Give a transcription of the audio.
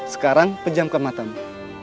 sekarang pejamkan matamu